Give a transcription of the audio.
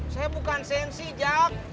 saya bukan sensi jack